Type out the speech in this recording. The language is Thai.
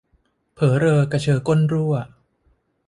เผอเรอกระเชอก้นรั่ว